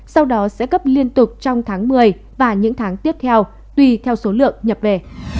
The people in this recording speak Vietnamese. sau đó sẽ cấp liên tục trong tháng một mươi và những tháng tiếp theo tùy theo số lượng nhập về